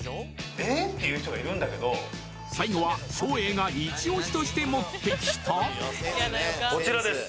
「えっ？」っていう人がいるんだけど最後は照英がイチオシとして持ってきたこちらです